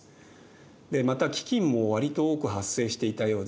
また飢きんもわりと多く発生していたようです。